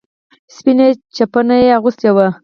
سپينه چپنه يې اغوستې وه.